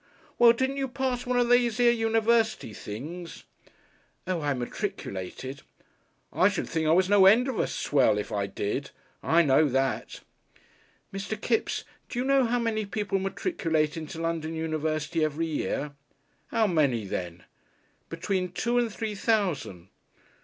"Well, didn't you pass one of these here University things?" "Oh! I matriculated!" "I should think I was no end of a swell if I did, I know that." "Mr. Kipps, do you know how many people matriculate into London University every year?" "How many then?" "Between two and three thousand."